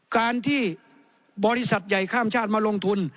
การที่บริษัทใหญ่ข้ามชาติมาลงทุน